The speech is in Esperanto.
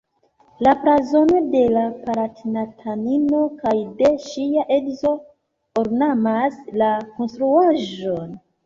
La blazono de la palatinatanino kaj de ŝia edzo ornamas la konstruaĵon.